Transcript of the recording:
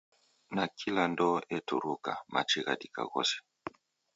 Nakila ndoo eturuka, machi ghadika ghose.